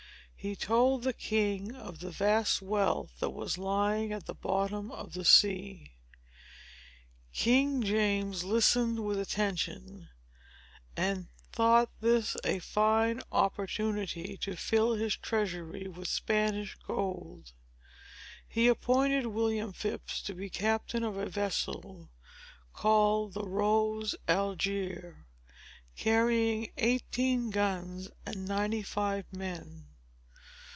He told the king of the vast wealth that was lying at the bottom of the sea. King James listened with attention, and thought this a fine opportunity to fill his treasury with Spanish gold. He appointed William Phips to be captain of a vessel, called the Rose Algier, carrying eighteen guns and ninety five men.